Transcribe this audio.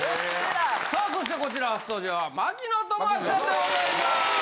さあそしてこちら初登場は槙野智章さんでございます。